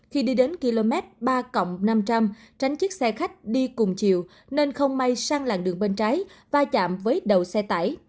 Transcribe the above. khi đi đến km ba năm trăm linh tránh chiếc xe khách đi cùng chiều nên không may sang làn đường bên trái va chạm với đầu xe tải